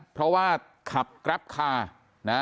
เพราะว่าขับแกรปคาร์นะ